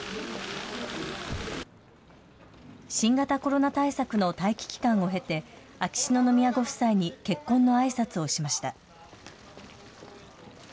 新型コロナ対策の待機期間を経て、秋篠宮ご夫妻に結婚のあいさつをしました。